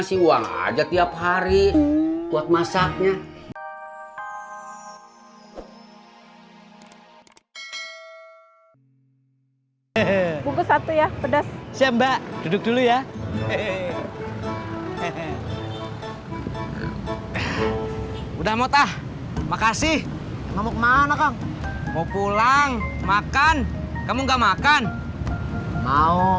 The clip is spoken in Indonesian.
sampai jumpa di video selanjutnya